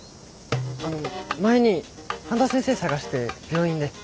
あの前に半田先生捜して病院で。